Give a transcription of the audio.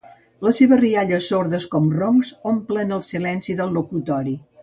Les seves riallades sordes com roncs omplen el silenci del locutori.